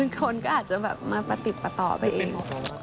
คนก็อาจจะแบบมาประติดประต่อไปเอง